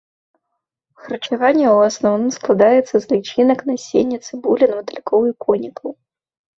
Харчаванне ў асноўным складаецца з лічынак, насення, цыбулін, матылькоў і конікаў.